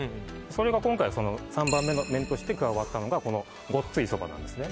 それが今回３番目の麺として加わったのがこのごっついそばなんですね